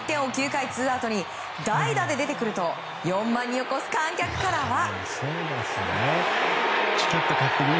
９回ツーアウトで代打で出てくると４万人を超す観客からは。